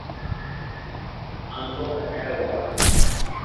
Antoine Hérouard.